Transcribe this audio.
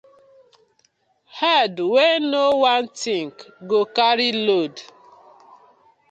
Head wey no wan think, go carry load: